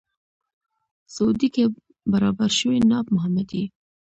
سعودي کې برابر شوی ناب محمدي.